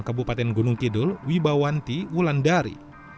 ke bupaten gunung kidul wibawanti wulandari